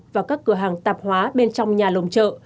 và các cửa hàng tạp hóa bên trong nhà lồng chợ